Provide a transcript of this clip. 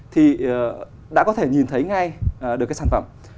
thì đã có thể nhìn thấy ngay được cái sản phẩm